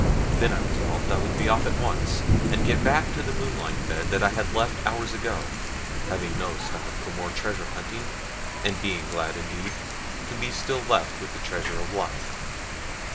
Then I resolved I would be off at once, and get back to the moonlight bed that I had left hours ago, having no stomach for more treasure hunting, and being glad indeed to be still left with the treasure of life.